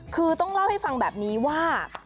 คือต้องเล่าให้ฟังแบบนี้ว่า